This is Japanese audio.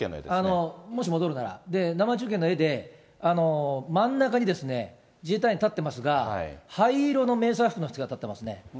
もし戻るなら、生中継の画で、真ん中にですね、自衛隊員立ってますが、灰色の迷彩服の人が立ってますね。